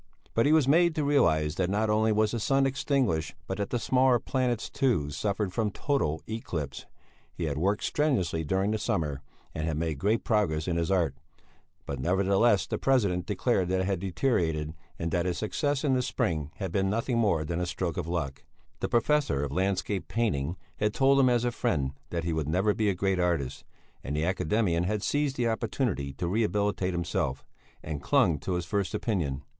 But he was made to realize that not only was the sun extinguished but that the smaller planets, too, suffered from total eclipse. He had worked strenuously during the summer and had made great progress in his art, but nevertheless the president declared that it had deteriorated, and that his success in the spring had been nothing more than a stroke of luck; the professor of landscape painting had told him as a friend that he would never be a great artist, and the academician had seized the opportunity to rehabilitate himself, and clung to his first opinion.